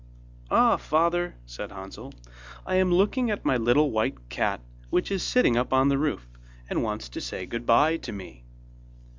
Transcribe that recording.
'Ah, father,' said Hansel, 'I am looking at my little white cat, which is sitting up on the roof, and wants to say goodbye to me.